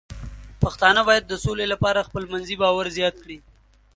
پښتانه بايد د سولې لپاره خپلمنځي باور زیات کړي.